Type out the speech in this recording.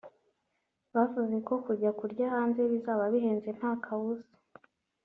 Bavuze ko kujya kurya hanze bizaba bihenze nta kabuza